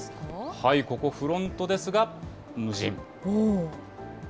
はい、ここ、フロントですが無人。